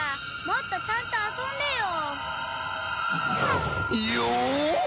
もっとちゃんと遊んでよ！